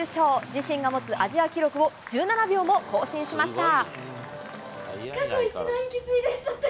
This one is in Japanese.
自身が持つアジア記録を１７秒も更新しました。